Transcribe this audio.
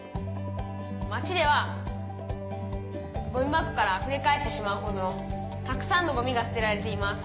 「町ではゴミ箱からあふれ返ってしまうほどのたくさんのゴミがすてられています」。